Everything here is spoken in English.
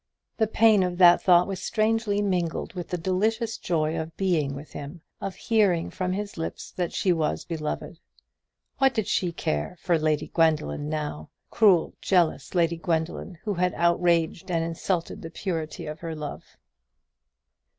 The pain of that thought was strangely mingled with the delicious joy of being with him, of hearing from his lips that she was beloved. What did she care for Lady Gwendoline now? cruel jealous Lady Gwendoline, who had outraged and insulted the purity of her love.